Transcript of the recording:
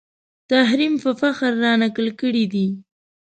تحریم په فخر رانقل کړی دی